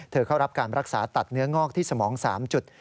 เข้ารับการรักษาตัดเนื้องอกที่สมอง๓จุด